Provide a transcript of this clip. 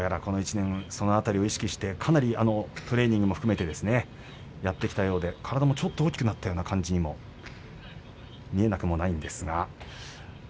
その辺り、かなり意識してトレーニングをやってきたようで体もちょっと大きくなったような感じにも見えなくもないです。